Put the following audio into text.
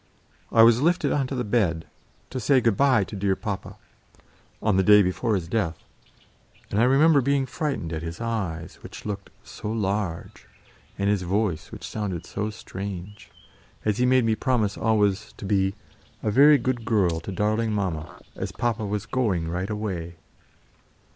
I was lifted on to the bed to "say good bye to dear papa" on the day before his death, and I remember being frightened at his eyes which looked so large, and his voice which sounded so strange, as he made me promise always to be "a very good girl to darling mamma, as papa was going right away."